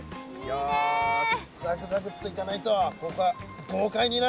よし。